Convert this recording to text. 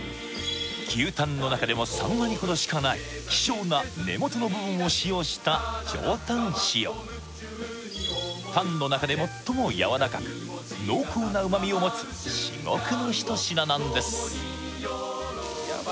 牛タンの中でも３割ほどしかない希少な根元の部分を使用した上タン塩タンの中で最もやわらかく濃厚な旨みを持つ至極の一品なんですヤバ